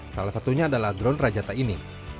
salah satunya adalah drone rajata ini